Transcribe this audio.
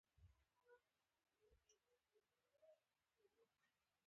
مرسل یوه ښکلي نجلۍ ده.